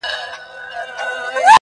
دلته چې راتلو شپې مو د اور سره منلي وې-